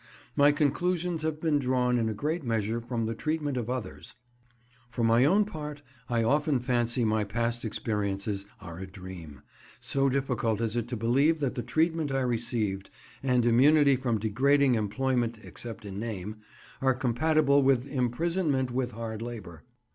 My conclusions have been drawn in a great measure from the treatment of others. For my own part, I often fancy my past experiences are a dream, so difficult is it to believe that the treatment I received, and immunity from degrading employment except in name, are compatible with "imprisonment with hard labour."